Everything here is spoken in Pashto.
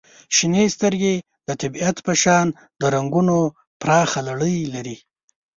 • شنې سترګې د طبیعت په شان د رنګونو پراخه لړۍ لري.